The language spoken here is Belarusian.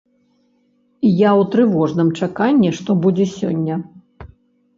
Я ў трывожным чаканні, што будзе сёння?